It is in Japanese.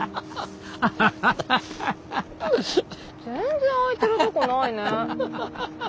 全然空いてるとこないね。